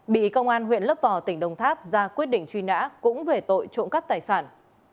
bị công an huyện lấp vò tỉnh đồng tháp ra quyết định truy nã cũng về tội trộm cắt tài sản